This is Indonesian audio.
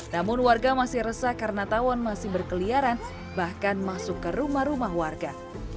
namun warga masih resah karena tawon masih berkeliaran bahkan masuk ke rumah rumah warga